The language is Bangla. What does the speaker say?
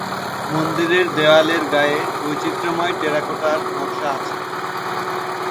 মন্দিরের দেয়ালের গায়ে বৈচিত্রময় টেরাকোটার নকশা আছে।